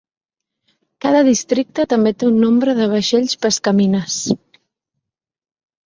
Cada districte també té un nombre de vaixells pescamines.